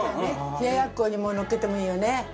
冷奴にものっけてもいいよね。